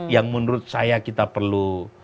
yang menurut saya kita perlu